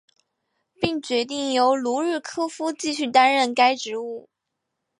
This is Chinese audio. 并决定由卢日科夫继续担任该职务。